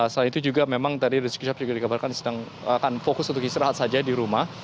selain itu juga memang tadi rizik syihab juga dikabarkan sedang akan fokus untuk istirahat saja di rumah